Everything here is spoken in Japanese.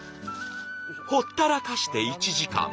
ほったらかして１時間。